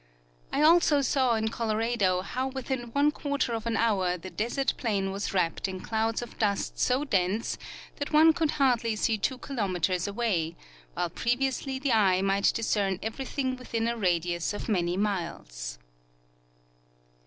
I also saw in Colorado how within one quarter of an hour the desert plain was wrapped in clouds of dust so dense that one could hardly see two kilometers away, while previously the eye might discern everything Avithin a radius of many miles.